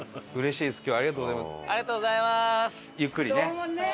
ありがとうございます。